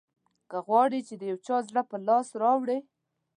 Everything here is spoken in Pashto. که غواړې چې د یو چا زړه په لاس راوړې.